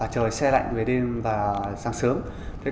trời xe lạnh về đêm và giảm xuống hai mươi hai mươi ba độ